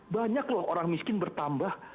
banyak loh orang miskin bertambah